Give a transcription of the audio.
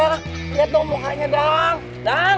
liat dong mukanya dadang